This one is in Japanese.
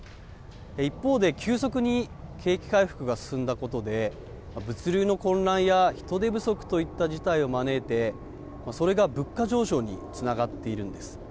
一方で、急速に景気回復が進んだことで、物流の混乱や人手不足といった事態を招いて、それが物価上昇につながっているんです。